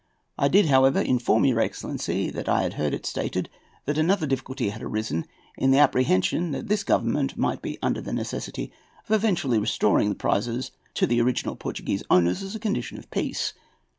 I did, however, inform your excellency that I had heard it stated that another difficulty had arisen in the apprehension that this Government might be under the necessity of eventually restoring the prizes to the original Portuguese owners as a condition of peace.